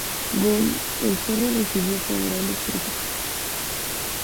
Gon, el Zorro recibió favorables críticas.